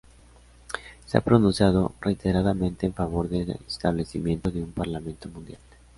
Se ha pronunciado reiteradamente en favor del establecimiento de un parlamento mundial.